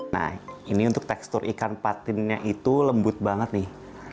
nah ini untuk tekstur ikan patinnya itu lembut banget nih